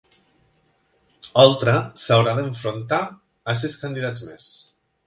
Oltra s'haurà d'enfrontar a sis candidats més